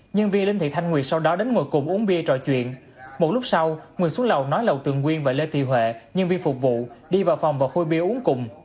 nhân viên linh thị thanh nguyệt sau đó đến ngồi cùng uống bia trò chuyện một lúc sau người xuống lầu nói lầu tường quyên và lê thị huệ nhân viên phục vụ đi vào phòng và khôi bia uống cùng